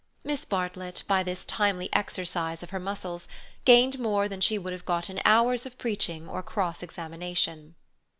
Miss Bartlett, by this timely exercise of her muscles, gained more than she would have got in hours of preaching or cross examination.